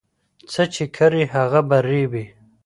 څه چې کري هغه به رېبې